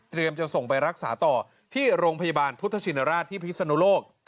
จะส่งไปรักษาต่อที่โรงพยาบาลพุทธชินราชที่พิศนุโลก